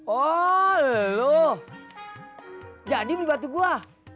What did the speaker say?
oh loh jadi beli batu gua